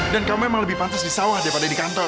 dan kamu memang lebih pantas di sawah daripada di kantor